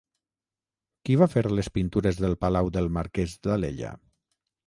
Qui va fer les pintures del Palau del Marquès d'Alella?